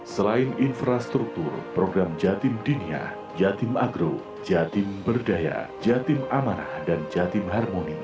selain infrastruktur program jatim dinia jatim agro jatim berdaya jatim amanah dan jatim harmoni